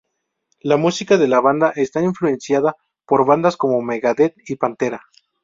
La música de la banda está influenciada por bandas como Megadeth y Pantera.